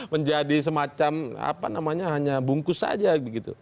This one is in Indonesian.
menjadi semacam apa namanya hanya bungkus saja begitu